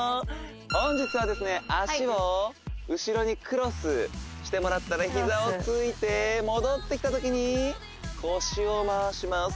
本日は脚を後ろにクロスしてもらったら膝をついて戻ってきたときに腰を回します